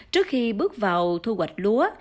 trước khi bước vào thu hoạch lúa